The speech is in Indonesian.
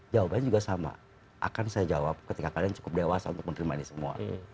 jawabannya juga sama akan saya jawab ketika kalian cukup dewasa untuk menerima ini semua